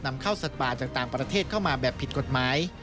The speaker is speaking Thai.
นำเข้าสัตว์ป่าจากต่างประเทศเข้ามาแบบผิดกฎหมาย